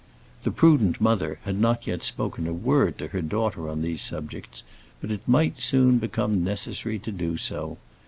The prudent mother had not yet spoken a word to her daughter on these subjects, but it might soon become necessary to do so.